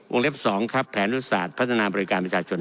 เล็บ๒ครับแผนยุทธศาสตร์พัฒนาบริการประชาชน